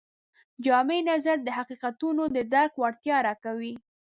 جامع نظر د حقیقتونو د درک وړتیا راکوي.